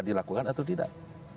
dilakukan atau tidak